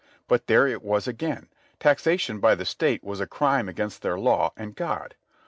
But there it was again. Taxation by the State was a crime against their law and God.